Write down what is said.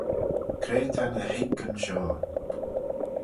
Cre ta ny h-oikyn shoh?